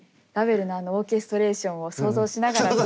ラヴェルのオーケストレーションを想像しながら。